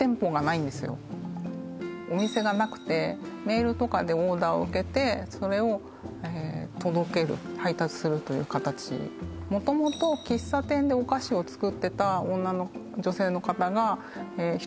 お店がなくてメールとかでオーダーを受けてそれを届ける配達するという形元々喫茶店でお菓子を作ってた女性の方が１人でやられてるドーナツ屋さんで